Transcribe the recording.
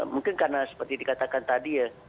mungkin karena seperti dikatakan tadi ya